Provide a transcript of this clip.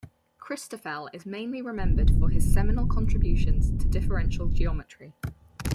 Christoffel is mainly remembered for his seminal contributions to differential geometry.